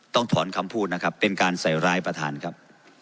ถอนคำพูดนะครับเป็นการใส่ร้ายประธานครับ